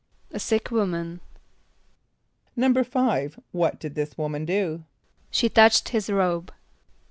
=A sick woman.= =5.= What did this woman do? =She touched his robe.